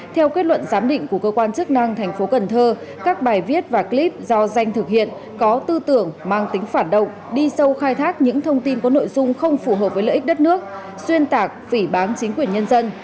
theo kết luận giám định của cơ quan chức năng thành phố cần thơ các bài viết và clip do danh thực hiện có tư tưởng mang tính phản động đi sâu khai thác những thông tin có nội dung không phù hợp với lợi ích đất nước xuyên tạc phỉ bán chính quyền nhân dân